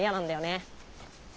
ね